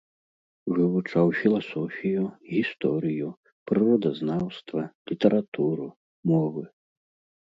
Вывучаў філасофію, гісторыю, прыродазнаўства, літаратуру, мовы.